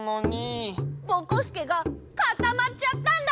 ぼこすけがかたまっちゃったんだ！